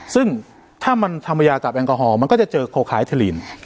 ซึ่งถ้ามันทำวัยยากับแอลกอฮอล์มันก็จะเจอโคคาอิทรีน